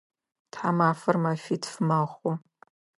Тхьамафэр мэфитф мэхъу.